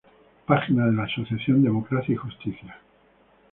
Página de la asociación Democracia y Justicia